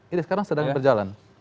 ini sekarang sedang berjalan